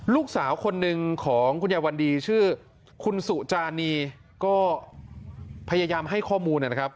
ลูกสาวคนหนึ่งของคุณยายวันดีชื่อคุณสุจานีก็พยายามให้ข้อมูลนะครับ